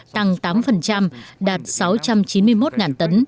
tăng tám đạt sáu trăm chín mươi một tấn